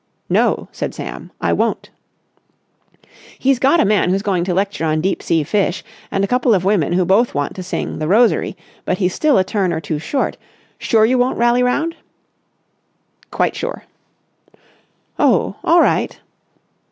"No," said Sam. "I won't." "He's got a man who's going to lecture on deep sea fish and a couple of women who both want to sing 'The Rosary' but he's still a turn or two short. Sure you won't rally round?" "Quite sure." "Oh, all right."